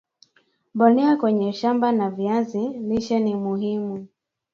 mbolea kwenye shamba la viazi lishe ni muhimu